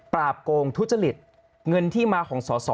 โกงทุจริตเงินที่มาของสอสอ